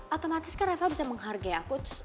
otomatis kan rafa bisa menghargai aku